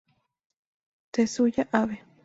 Tetsuya Abe